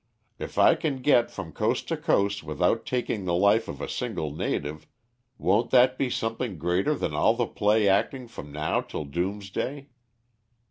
"If I can get from coast to coast without taking the life of a single native, won't that be something greater than all the play acting from now till Doomsday?"